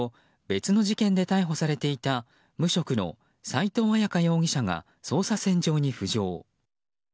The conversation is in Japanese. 別の事件で逮捕されていた無職の斉藤絢香容疑者が捜査線上に浮上。